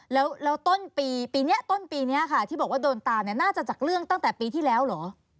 แล้วต้นปีนี้ค่ะที่บอกว่าโดนตามน่าจะจากเรื่องตั้งแต่ปีที่แล้วหรือ